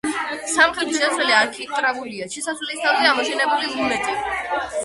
სამხრეთის შესასვლელი არქიტრავულია, შესასვლელის თავზე ამოშენებულია ლუნეტი.